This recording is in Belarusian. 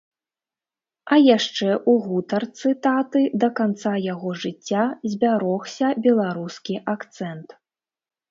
А яшчэ ў гутарцы таты да канца яго жыцця збярогся беларускі акцэнт.